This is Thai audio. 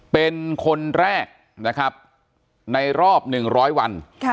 เป็นคนแรกในรอบ๑๐๐วัน